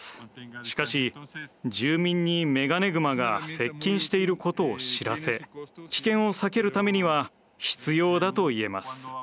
しかし住民にメガネグマが接近していることを知らせ危険を避けるためには必要だと言えます。